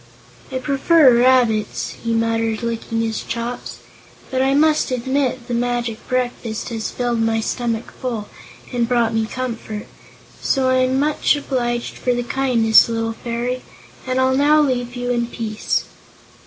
"I prefer rabbits," he muttered, licking his chops, "but I must admit the magic breakfast has filled my stomach full, and brought me comfort. So I'm much obliged for the kindness, little Fairy, and I'll now leave you in peace."